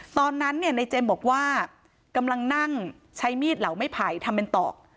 ตอนนั้นเนี่ยในเจมส์บอกว่ากำลังนั่งใช้มีดเหล่าไม่ไผ่ทำเป็นตอก